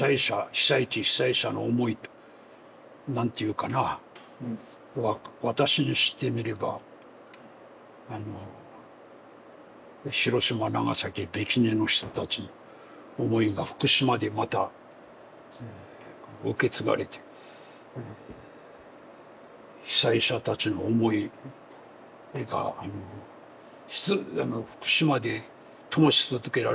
被災地被災者の思いと何ていうかな私にしてみればあのヒロシマナガサキビキニの人たちの思いが福島でまた受け継がれて被災者たちの思いがあの福島でともし続けられるという。